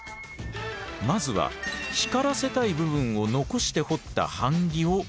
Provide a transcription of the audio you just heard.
まずは光らせたい部分を残して彫った版木を用意。